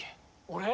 俺？